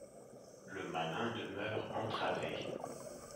Le Malin demeure entravé.